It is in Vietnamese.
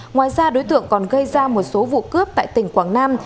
ngoài ra đối tượng còn gây ra một số vụ cướp tại tỉnh quảng nam